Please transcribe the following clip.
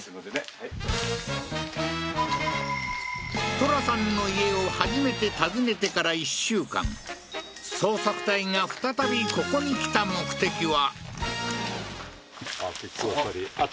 トラさんの家を初めて訪ねてから１週間捜索隊が再びここに来た目的は！？